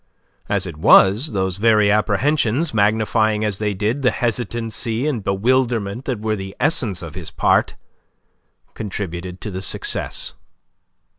As it was, those very apprehensions, magnifying as they did the hesitancy and bewilderment that were the essence of his part, contributed to the success.